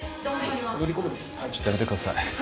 ちょっとやめてください。